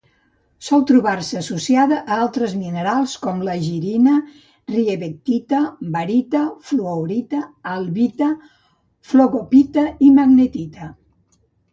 Sol trobar-se associada a altres minerals com: egirina, riebeckita, barita, fluorita, albita, flogopita i magnetita.